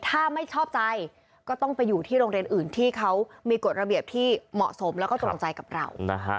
ถ้าไม่ชอบใจก็ต้องไปอยู่ที่โรงเรียนอื่นที่เขามีกฎระเบียบที่เหมาะสมแล้วก็ตรงใจกับเรา